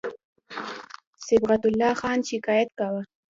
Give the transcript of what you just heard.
صبغت الله خان شکایت کاوه.